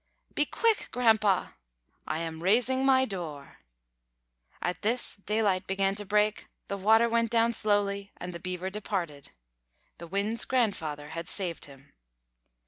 "Be quick, Grandpa!" "I am raising my door." At this, daylight began to break, the water went down slowly, and the Beaver departed. The Wind's Grandfather had saved him.